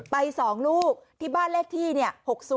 ไป๒ลูกที่บ้านเลขที่๖๐